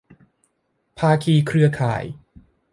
ภาคีเครือข่าย